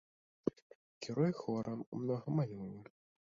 Кіруе хорам, многа малюе.